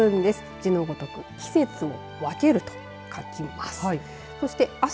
字のごとく季節を分けると書きます。